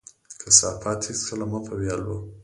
کثافات هيڅکله مه په ويالو،